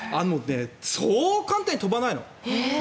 そう簡単に飛ばないの。